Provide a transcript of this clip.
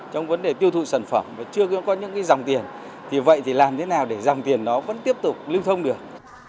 trong vấn đề tiêu thụ sản phẩm chưa có những dòng tiền thì vậy thì làm thế nào để dòng tiền nó vẫn tiếp tục lưu thông được